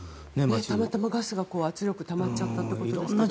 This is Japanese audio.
たまたまガスの圧力がたまっちゃったってことですか。